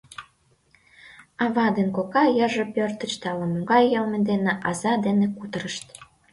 Ава ден кока йырже пӧрдыч да ала-могай йылме дене аза дене кутырышт.